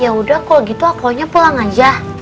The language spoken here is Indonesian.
ya udah kalau gitu akunya pulang aja